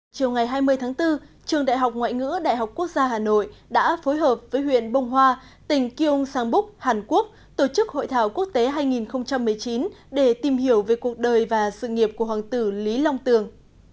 chiều ngày hai mươi tháng bốn trường đại học ngoại ngữ đại học quốc gia hà nội đã phối hợp với huyện bông hoa tỉnh kiêung sang búc hàn quốc tổ chức hội thảo quốc tế hai nghìn một mươi chín để tìm hiểu về cuộc đời và sự nghiệp của hoàng tử lý long tường